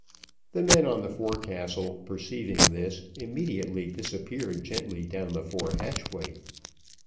The men on the forecastle perceiving this, immediately disappeared gently down the fore hatchway.